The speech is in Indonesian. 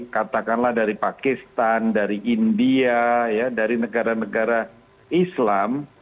katakanlah dari pakistan dari india dari negara negara islam